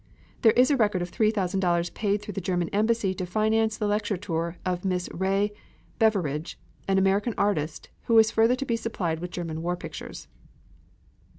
There is a record of $3,000 paid through the German embassy to finance the lecture tour of Miss Ray Beveridge, an American artist, who was further to be supplied with German war pictures.